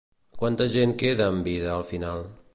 Quanta gent queda amb vida al final?